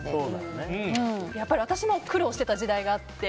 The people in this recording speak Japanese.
やっぱり、私も苦労してた時代があって。